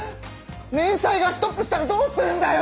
連載がストップしたらどうするんだよ